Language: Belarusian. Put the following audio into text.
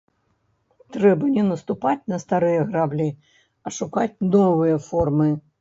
Трэба не наступаць на старыя граблі, а шукаць новыя формы.